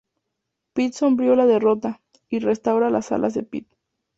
Pit Sombrío la derrota, y restaura las alas de Pit.